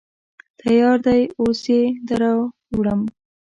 _تيار دی، اوس يې دروړم.